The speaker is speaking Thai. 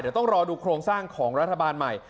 เดี๋ยวต้องรอดูโครงสร้างของรัฐบาลใหม่